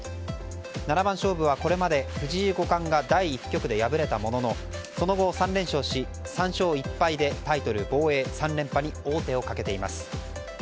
七番勝負はこれまで藤井五冠が第１局で敗れたもののその後、３連勝し３勝１敗でタイトル防衛３連覇に王手をかけています。